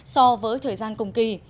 so với thời gian cùng kỳ